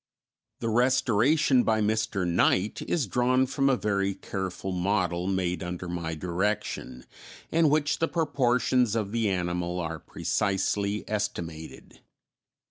The restoration by Mr. Knight is drawn from a very careful model made under my direction, in which the proportions of the animal are precisely estimated.